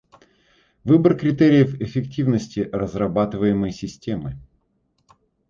Выбор критериев эффективности разрабатываемой системы